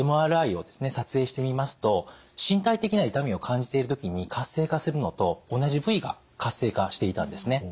撮影してみますと身体的な痛みを感じている時に活性化するのと同じ部位が活性化していたんですね。